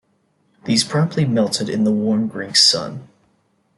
These promptly melted in the warm Greek sun.